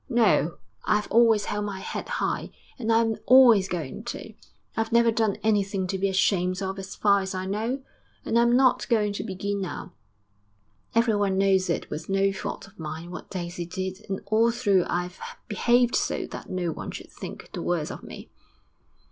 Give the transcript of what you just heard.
No, I've always held my head high, and I'm always going to. I've never done anything to be ashamed of as far as I know, and I'm not going to begin now. Everyone knows it was no fault of mine what Daisy did, and all through I've behaved so that no one should think the worse of me.'